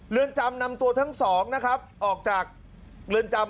เรือนจำนำตัวทั้งสองนะครับออกจากเรือนจำ